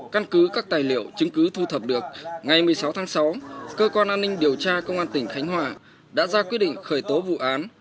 căn cứ các tài liệu chứng cứ thu thập được ngày một mươi sáu tháng sáu cơ quan an ninh điều tra công an tỉnh khánh hòa đã ra quyết định khởi tố vụ án